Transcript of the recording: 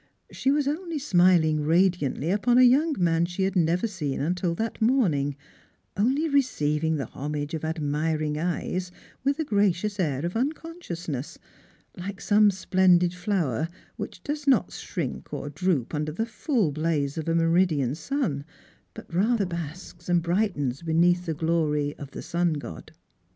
She was only smiling radiantly upon a young man she had never seen until that morning— only receiving the homage of admiring eyes with a gi acious air of unconsciousness; like some splendid flower which does not shrink or droop under the full blaze of a meridian sun, but rather basks and brightens beneath the glory of the Bun god.